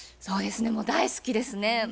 そうですねもう大好きですね。